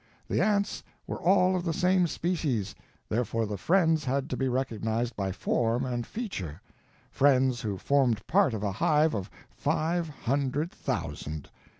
The ants were all of the same species, therefore the friends had to be recognized by form and feature—friends who formed part of a hive of five hundred thousand!